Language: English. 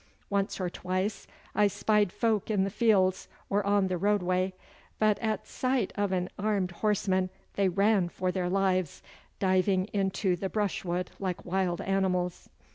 Once or twice I spied folk in the fields or on the roadway; but at sight of an armed horseman they ran for their lives, diving into the brushwood like wild animals.